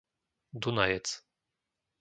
Dunajec